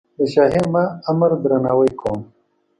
د شاهي امر درناوی کوم.